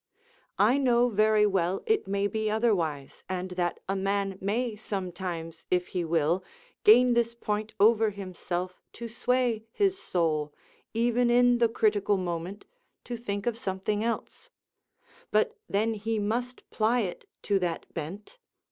I know very well it may be otherwise, and that a man may sometimes, if he will, gain this point over himself to sway his soul, even in the critical moment, to think of something else; but then he must ply it to that bent.